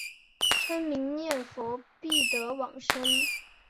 称名念佛必得往生。